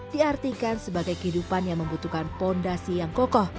diartikan sebagai kehidupan yang membutuhkan fondasi yang kokoh